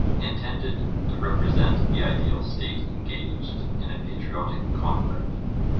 intended to represent the ideal state engaged in a patriotic conflict.